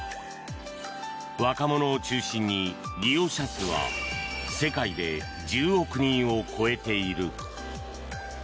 若者を中心に利用者数は世界で１０億人を超えている。